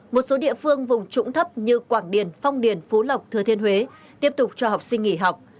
một số địa phương vùng trũng thấp như quảng điền phong điền phú lộc thừa thiên huế tiếp tục cho học sinh nghỉ học